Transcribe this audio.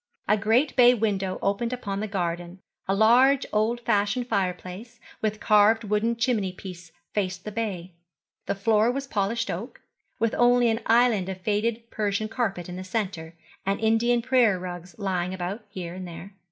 A great bay window opened upon the garden, a large old fashioned fireplace, with carved wooden chimney piece faced the bay. The floor was polished oak, with only an island of faded Persian carpet in the centre, and Indian prayer rugs lying about here and there.